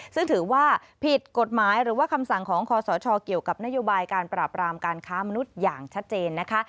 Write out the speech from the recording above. ซึ่งถือว่าผิดกฎหมายหรือว่าคำสั่งของคอสชเกี่ยวกับนโยบายการปราบรามการค้ามนุษย์อย่างชัดเจนนะคะ